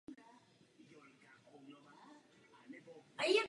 Následovala přímá volba prezidenta.